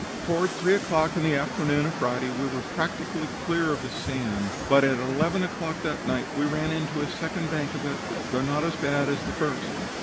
"Toward three o'clock in the afternoon of Friday we were practically clear of the sand, but at eleven o'clock that night we ran into a second bank of it, though not as bad as the first.